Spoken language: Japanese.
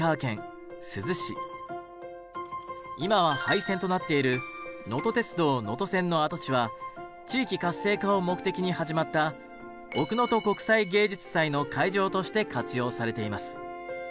今は廃線となっているのと鉄道能登線の跡地は地域活性化を目的に始まった奥能登国際芸術祭の会場として活用されています。